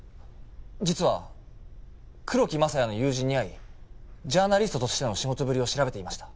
実は黒木政也の友人に会いジャーナリストとしての仕事ぶりを調べてみました。